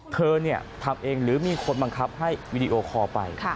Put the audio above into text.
เธอทำเองหรือมีคนบังคับให้วีดีโอคอลไป